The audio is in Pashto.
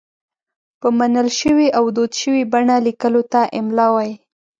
په منل شوې او دود شوې بڼه لیکلو ته املاء وايي.